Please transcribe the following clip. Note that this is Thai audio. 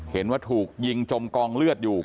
เห็นว่าถูกยิงจมกองเลือดอยู่